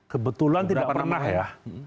kebetulan tidak pernah ya